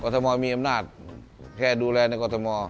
ทมมีอำนาจแค่ดูแลในกรทม